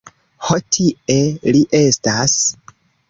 Ho tie li estas.